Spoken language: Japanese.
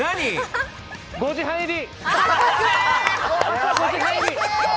５時半入り。